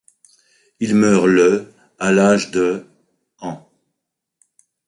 Il meurt le à l’âge de ans.